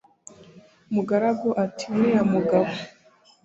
mugaragu ati uriya mugabo